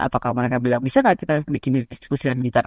atau mereka bilang bisa nggak kita bikin diskusi dan militer